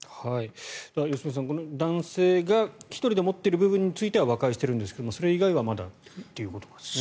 良純さん、この男性が１人で持っている部分については和解しているんですけどそれ以外はまだということですね。